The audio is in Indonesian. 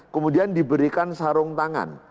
kemudian diberikan sarung tangan